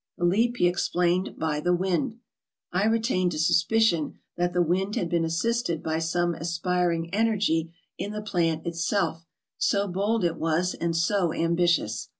The leap, he explained by the wind. I re tained a suspicion that the wind had been assisted by some aspiring energy in the plant itself, so bold it was and so ambitious.